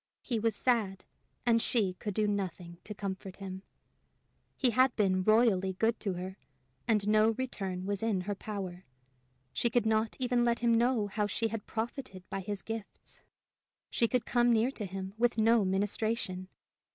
He was sad, and she could do nothing to comfort him! He had been royally good to her, and no return was in her power. She could not even let him know how she had profited by his gifts! She could come near him with no ministration!